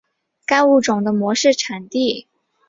该物种的模式产地在湖北宜昌。